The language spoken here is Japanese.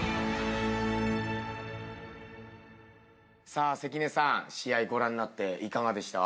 さあ関根さん試合ご覧になっていかがでした？